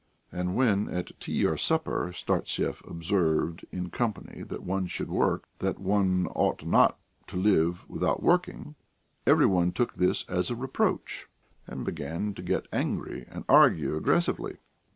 And when, at tea or supper, Startsev observed in company that one should work, and that one ought not to live without working, every one took this as a reproach, and began to get angry and argue aggressively.